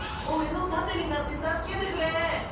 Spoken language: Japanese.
オレのたてになって助けてくれ！